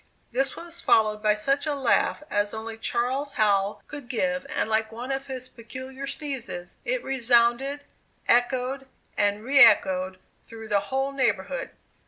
This was followed by such a laugh as only Charles Howell could give, and like one of his peculiar sneezes, it resounded, echoed, and re echoed through the whole neighborhood.